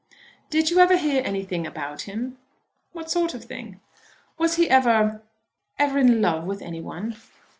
"Did you ever hear anything about him?" "What sort of thing?" "Was he ever ever in love with any one?"